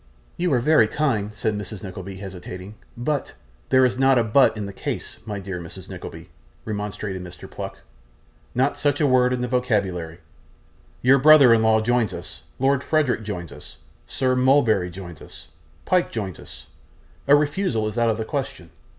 'You are very kind,' said Mrs. Nickleby, hesitating; 'but ' 'There's not a but in the case, my dear Mrs. Nickleby,' remonstrated Mr Pluck; 'not such a word in the vocabulary. Your brother in law joins us, Lord Frederick joins us, Sir Mulberry joins us, Pyke joins us a refusal is out of the question.